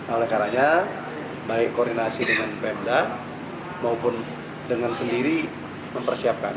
oleh karanya baik koordinasi dengan pemda maupun dengan sendiri mempersiapkan